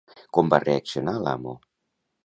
Com va reaccionar l'amo?